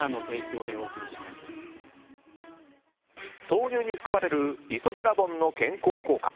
豆乳に含まれるイソフラボンの健康効果。